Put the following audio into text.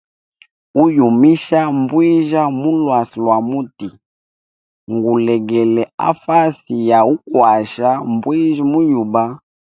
Uyumisha mbwijya mu lwasi lwa muti ngulegele a fasi ya ukwasha mbwijya mu yuba.